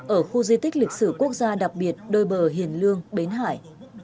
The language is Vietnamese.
ở khu di tích lịch sử quốc gia đặc biệt đôi bờ hiền lương bến hải